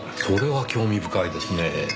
それは興味深いですねぇ。